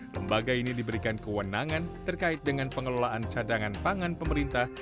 lembaga ini diberikan kewenangan terkait dengan pengelolaan cadangan pangan pemerintah